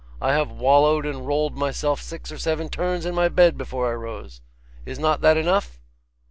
I have wallowed and rolled myself six or seven turns in my bed before I rose. Is not that enough?